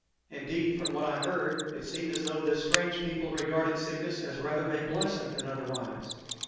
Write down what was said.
Indeed, from what I heard it seemed as though this strange people regarded sickness as rather a blessing than otherwise.